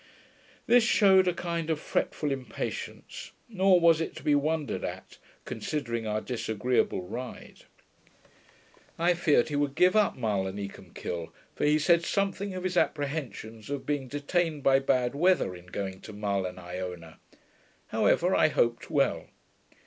This shewed a kind of fretful impatience; nor was it to be wondered at, considering our disagreeable ride. I feared he would give up Mull and Icolmkill, for he said something of his apprehensions of being detained by bad weather in going to Mull and Iona. However I hoped well.